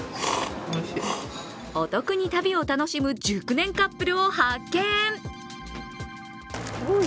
お得に旅を楽しむ熟年カップルを発見。